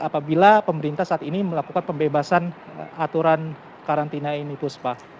apabila pemerintah saat ini melakukan pembebasan aturan karantina ini puspa